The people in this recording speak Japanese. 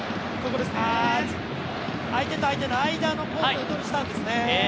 相手と相手の間のコースをとろうとしたんですね。